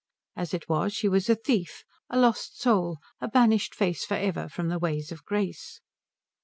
As it was she was a thief, a lost soul, a banished face for ever from the ways of grace.